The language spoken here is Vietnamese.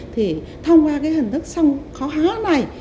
thì thông qua cái hình thức sân khấu hóa này